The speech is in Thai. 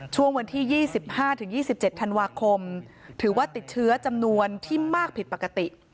ช่วงวันที่๒๕๒๗ธันวาคมถือว่าติดเชื้อจำนวนที่มากผิดปกติ